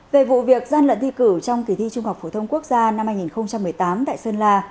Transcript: về vụ việc gian lận thi cử trong kỳ thi trung học phổ thông quốc gia năm hai nghìn một mươi tám tại sơn la